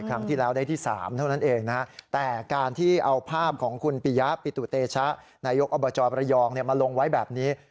ครั้งที่แล้วได้ที่๓เท่านั้นเองนะฮะแต่การที่เอาภาพของคุณปิยะปิตุเตชะนายกอบจประยองมาลงไว้แบบนี้